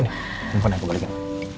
nih pake aku balikin